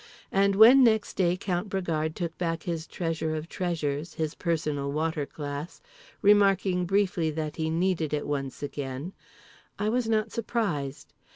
And when next day Count Bragard took back his treasure of treasures, his personal water glass, remarking briefly that he needed it once again, I was not surprised.